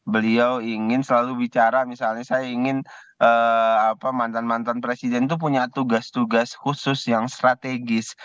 beliau ingin selalu bicara misalnya saya ingin mantan mantan presiden itu punya tugas tugas khusus yang strategis